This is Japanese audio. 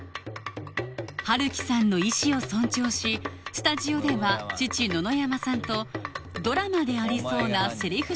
ハルキさんの意思を尊重しスタジオでは父野々山さんとドラマでありそうなセリフ